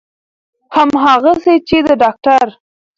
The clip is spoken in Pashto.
همغسې چې د داکتر